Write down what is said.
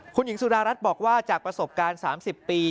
คุณหญิงสุดารัฐบอกว่าจากประสบการณ์๓๐ปี